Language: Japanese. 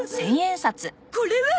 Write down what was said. これは！